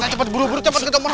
kita cepet buru buru ke tomor